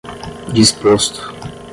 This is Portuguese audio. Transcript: disposto